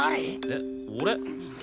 えっ俺？